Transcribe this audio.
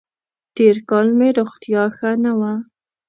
تېر کال مې روغتیا ښه نه وه